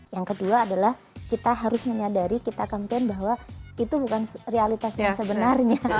yang kedua adalah kita harus menyadari kita campaign bahwa itu bukan realitas yang sebenarnya